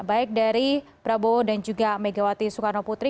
baik dari prabowo dan juga megawati soekarno putri